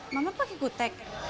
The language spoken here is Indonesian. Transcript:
mama pakai kutek